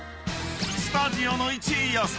［スタジオの１位予想］